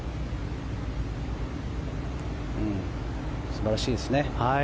素晴らしいですね。